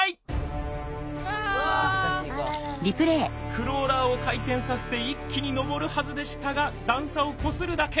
クローラーを回転させて一気に上るはずでしたが段差をこするだけ。